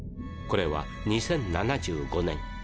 これは２０７５年。